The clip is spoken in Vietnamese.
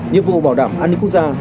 nhiệm vụ bảo đảm an ninh quốc gia